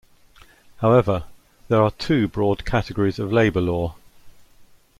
However, there are two broad categories of labour law.